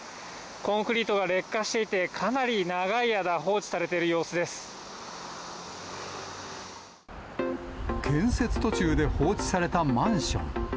コンクリートが劣化していて、かなり長い間、放置されている様建設途中で放置されたマンション。